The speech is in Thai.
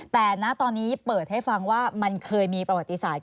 แต่ณตอนนี้เปิดให้ฟังว่ามันเคยมีประวัติศาสต